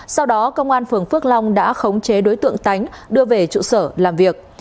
sau đó công an phường phước long đã khống chế đối tượng tánh đưa về trụ sở làm việc